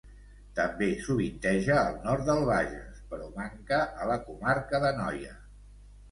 També sovinteja al nord del Bages, però manca a la comarca d'Anoia.